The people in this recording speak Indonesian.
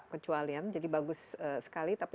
kecualian jadi bagus sekali tapi